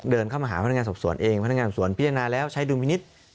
เดินเข้ามาหาพนักงานสอบสวนเองพนักงานสวนพิจารณาแล้วใช้ดุลพินิษฐ์